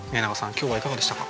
今日はいかがでしたか？